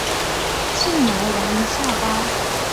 进来玩一下吧